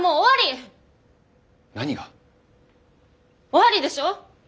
終わりでしょ？